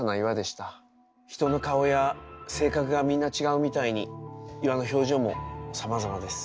人の顔や性格がみんな違うみたいに岩の表情もさまざまです。